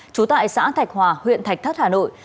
trú tại xã thạch hòa huyện thạch thất hà nội